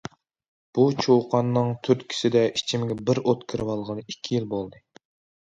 بۇ چۇقاننىڭ تۈرتكىسىدە ئىچىمگە بىر ئوت كىرىۋالغىلى ئىككى يىل بولدى.